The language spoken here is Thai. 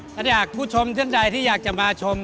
ถ้าที่อยากผู้ชมที่อยากจะมาชม